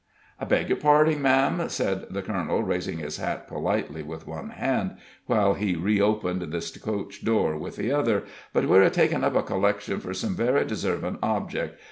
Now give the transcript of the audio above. "I beg your parding, ma'am," said the colonel, raising his hat politely with one hand, while he reopened the coach door with the other, "but we're a takin' up a collection fur some very deservin' object.